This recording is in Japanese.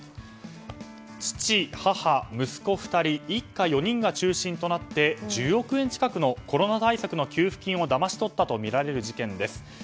父、母、息子２人一家４人が中心となって１０億円近くのコロナ対策の給付金をだまし取ったとみられる事件です。